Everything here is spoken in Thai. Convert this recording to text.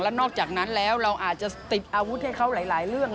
นอกจากนั้นแล้วเราอาจจะติดอาวุธให้เขาหลายเรื่อง